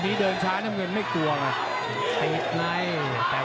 ตีหน้าขาไปเลยครับเผ็ดเมืองย่า